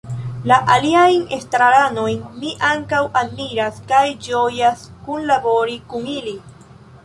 La aliajn estraranojn mi ankaŭ admiras kaj ĝojas kunlabori kun ili.